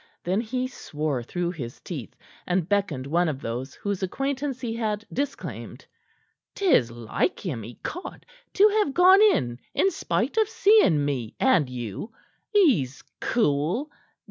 Then he swore through his teeth, and beckoned one of those whose acquaintance he had disclaimed. "'Tis like him, ecod! to have gone in in spite of seeing me and you! He's cool!